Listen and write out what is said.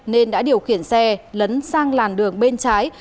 nên đã điều khiển xe lấn sang làn đường bên trái